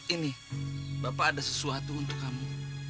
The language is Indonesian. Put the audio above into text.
ini bapak ada sesuatu untuk kamu